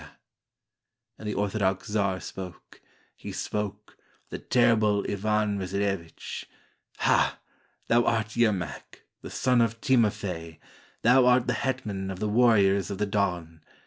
174 YERMAK And the orthodox czar spoke; He spoke — the terrible Ivan Vasilevich : "Ha! thou art Yermak, the son of Timofey, Thou art the hetman of the warriors of the Don.